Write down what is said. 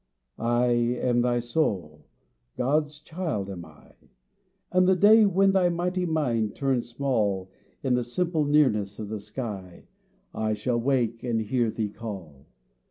" I am thy soul, God's child am I, And the day when thy mighty mind turns small In the simple nearness of the sky, I shall wake and hear thee call.